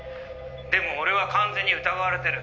「でも俺は完全に疑われてる。